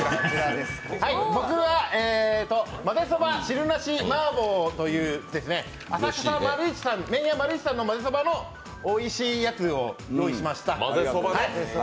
僕はまぜそば汁なし麻婆という麺屋まるいちさんのおいしいやつを用意しました。